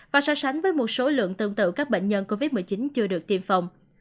và so sánh với một số lượng tương tự các bệnh nhân covid một mươi chín chưa được tiêm phòng